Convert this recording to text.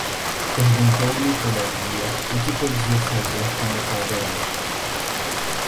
Perguntou-lhe, todavia, o que podia fazer com o caldeirão